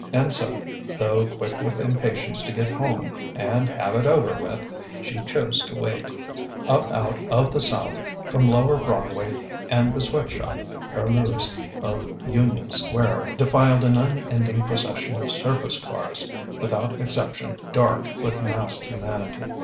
And so, though quick with impatience to get home and "have it over with," she chose to wait. Up out of the south, from lower Broadway and the sweatshop purlieus of Union Square, defiled an unending procession of surface cars, without exception dark with massed humanity.